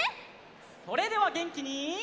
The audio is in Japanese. それではげんきに。